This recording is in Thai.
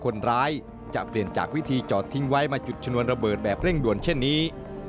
คนร้ายจะเปลี่ยนจากวิธีจอดทิ้งไว้มาจุดชนวนระเบิดแบบเร่งด่วนเช่นนี้